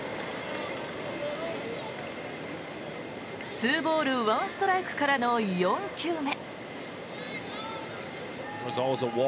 ２ボール１ストライクからの４球目。